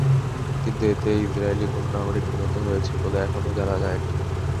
কিন্তু এতে ইসরায়েলি কোনো নাগরিক নিহত হয়েছে বলে এখনো জানা যায়নি।